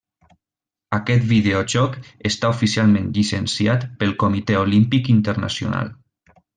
Aquest videojoc està oficialment llicenciat pel Comitè Olímpic Internacional.